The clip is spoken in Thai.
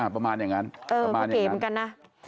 อ๋อประมาณยังนั้น